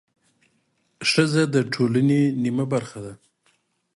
ښځه د ټولنې نیمه برخه ده